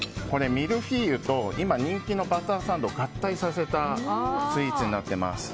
ミルフィーユと今人気のバターサンドを合体させたスイーツになってます。